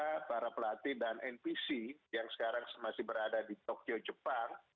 para atlet kita para pelatih dan npc yang sekarang masih berada di tokyo jepang